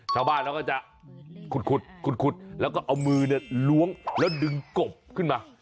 ชาวบ้านเขาก็จะขุดแล้วก็เอามือล้วงแล้วดึงกบขึ้นมา